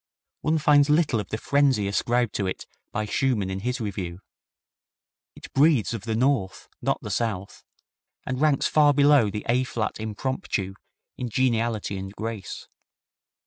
One finds little of the frenzy ascribed to it by Schumann in his review. It breathes of the North, not the South, and ranks far below the A flat Impromptu in geniality and grace.